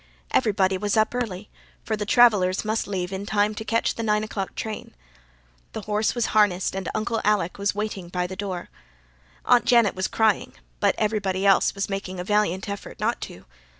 Everybody was up early, for the travellers must leave in time to catch the nine o'clock train. The horse was harnessed and Uncle Alec was waiting by the door. Aunt Janet was crying, but everybody else was making a valiant effort not to.